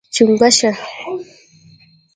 🐸 چنګوښه